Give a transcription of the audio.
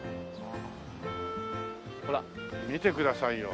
ほら見てくださいよ。